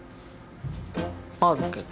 あるけど。